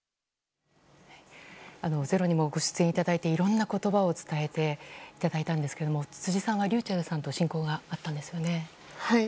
「ｚｅｒｏ」にもご出演いただいていろんな言葉を伝えていただいたんですが辻さんはｒｙｕｃｈｅｌｌさんと親交があったんですよね。